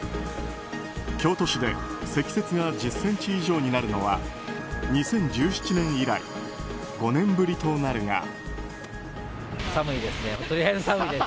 京都市で積雪が１０ｃｍ以上になるのは２０１７年以来５年ぶりとなるが。